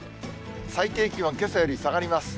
最低気温、けさより下がります。